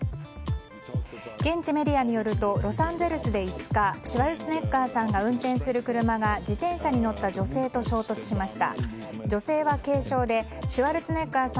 現地メディアによるとロサンゼルスで５日シュワルツェネッガーさんが運転する車が自転車に乗った女性と衝突しました。